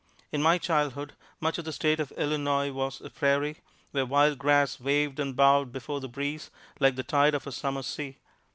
In my childhood much of the State of Illinois was a prairie, where wild grass waved and bowed before the breeze, like the tide of a summer sea.